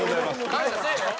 感謝せえよ。